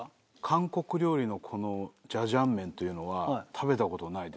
韓国料理のこのジャジャン麺というのは食べたことないです。